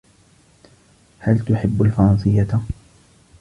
هل تحب الفرنسية؟